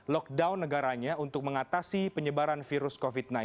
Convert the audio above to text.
lockdown negaranya untuk mengatasi penyebaran virus covid sembilan belas